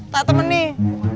tak temen nih